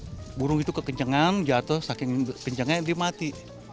nah gimana ya burung itu kekencangan jatuh saking kencangnya dia mati